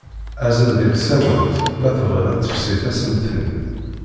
Azzel deg tsawent, ma tebɣiḍ ad tefsi tassemt-nni.